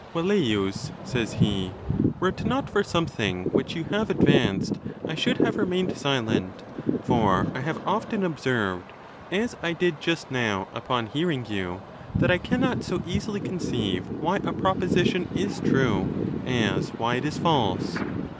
Yel ' leius, says he, were it not for something which you have advanced, I should have remained silent ; for I have often observed, as I did just now upon hearing you, that I can not so easily conceive why a proposition is true as why it is false.